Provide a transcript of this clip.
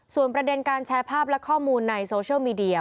ส่วนประเด็นการแชร์ภาพและข้อมูลในโซเชียลมีเดีย